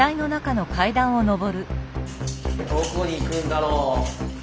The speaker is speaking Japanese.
どこに行くんだろう。